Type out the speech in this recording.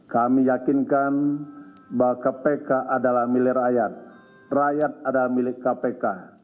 kami yakinkan bahwa kpk adalah milik rakyat rakyat adalah milik kpk